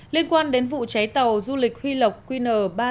liên quan đến vụ cháy tàu du lịch huy lộc qn ba nghìn tám trăm tám mươi bảy